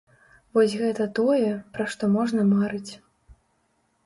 Вось гэта тое, пра што можна марыць.